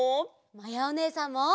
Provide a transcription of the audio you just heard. まやおねえさんも！